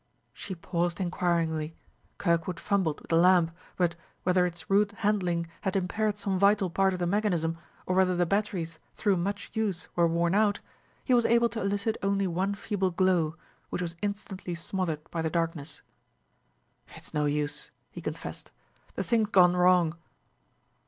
She paused inquiringly. Kirkwood fumbled with the lamp, but, whether its rude handling had impaired some vital part of the mechanism, or whether the batteries through much use were worn out, he was able to elicit only one feeble glow, which was instantly smothered by the darkness. "It's no use," he confessed. "The thing's gone wrong."